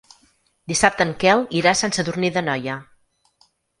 Dissabte en Quel irà a Sant Sadurní d'Anoia.